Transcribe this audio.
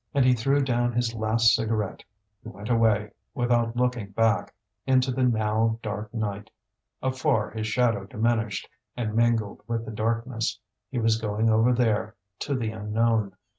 And he threw down his last cigarette; he went away, without looking back, into the now dark night. Afar his shadow diminished and mingled with the darkness. He was going over there, to the unknown.